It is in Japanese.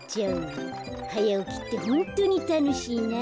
はやおきってホントにたのしいな。